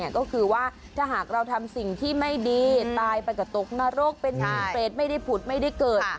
ก็คือว่าถ้าหากเราทำสิ่งที่ไม่ดีตายไปก็ตกนรกเป็นเปรตไม่ได้ผุดไม่ได้เกิด